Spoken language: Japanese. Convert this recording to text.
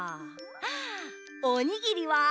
あおにぎりは？